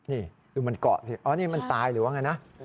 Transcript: นี่ดูมันเกาะสิอ๋อนี่มันตายหรือว่าไงนะ